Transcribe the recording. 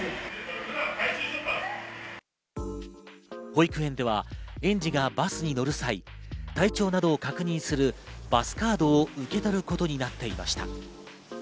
保育園では園児がバスに乗る際、体調などを確認するバスカードを受け取ることになっていました。